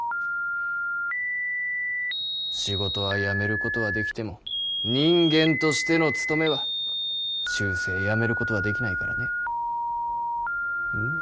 仕事はやめることはできても人間としての務めは終生やめることはできないからね。